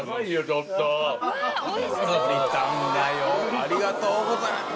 ちょっとありがとうございます